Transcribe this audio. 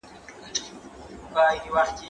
زه اجازه لرم چې منډه ووهم!.